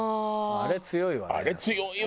あれ強いわ。